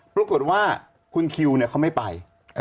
ปรากฏว่าคุณคิวเขาไม่ไป